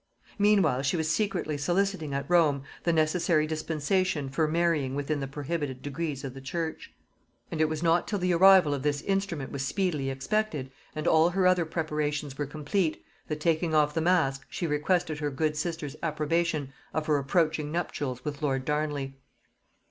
Meanwhile she was secretly soliciting at Rome the necessary dispensation for marrying within the prohibited degrees of the church; and it was not till the arrival of this instrument was speedily expected, and all her other preparations were complete, that, taking off the mask, she requested her good sister's approbation of her approaching nuptials with lord Darnley.